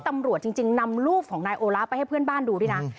ตำรวจจริงนำรูปของนายโอละไปให้เพื่อนบ้านดูด้วยนะ